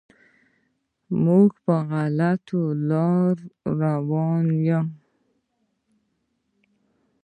موږ په غلطو لارو روان یم.